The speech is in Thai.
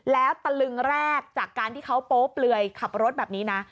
แล้วตะลึงแรกจากการที่เขาโป๊เปลือยขับรถแบบนี้นะ